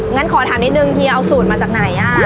งั้นขอถามนิดนึงเฮียเอาสูตรมาจากไหน